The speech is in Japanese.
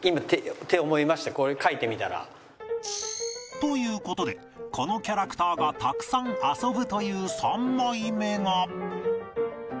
という事でこのキャラクターがたくさん遊ぶという３枚目が